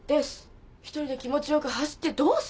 「一人で気持ちよく走ってどうする？」